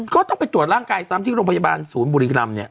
ก็ต้องไปตรวจร่างกายซ้ำที่โรงพยาบาลศูนย์บุรีรำเนี่ย